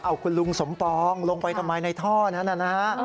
เอาคุณลุงสมปองลงไปทำไมในท่อนั้นนะฮะ